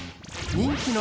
人気の